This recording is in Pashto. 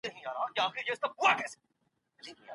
د کندهار صنعت کي د کارګرو حقونه څنګه ساتل کېږي؟